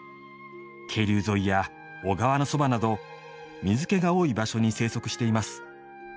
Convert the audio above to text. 渓流沿いや小川のそばなど水けが多い場所に生息しています。